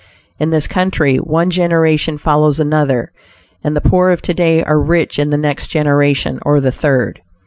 In this country, one generation follows another, and the poor of to day are rich in the next generation, or the third.